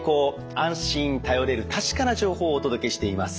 安心頼れる確かな情報をお届けしています。